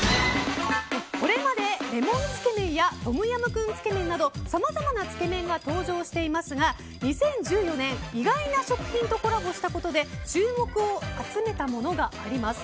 これまでレモンつけ麺やトムヤムクンつけ麺などさまざまなつけ麺が登場していますが２０１４年、意外な食品とコラボしたことで注目を集めたものがあります。